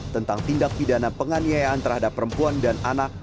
tentang tindak pidana penganiayaan terhadap perempuan dan anak